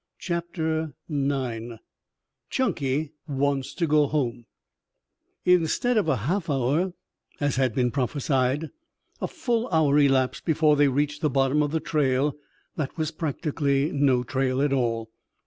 CHAPTER IX CHUNKY WANTS TO GO HOME Instead of a half hour, as had been prophesied, a full hour elapsed before they reached the bottom of the trail that was practically no trail at all.